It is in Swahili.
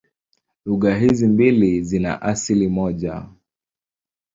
Lugha hizi mbili zina asili moja.